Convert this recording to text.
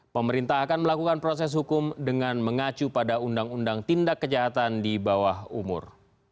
pemerintah akan melakukan proses hukum dengan mengacu pada undang undang tindak kejahatan di bawah umur